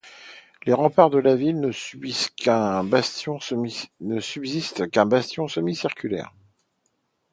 Des remparts de la ville ne subsiste qu'un bastion semi-circulaire.